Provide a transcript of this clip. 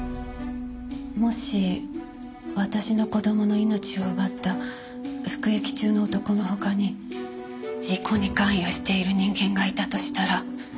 もし私の子どもの命を奪った服役中の男の他に事故に関与している人間がいたとしたら。